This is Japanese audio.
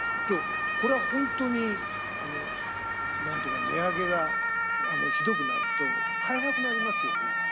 これは本当に何と言うか値上げがひどくなると買えなくなりますよね。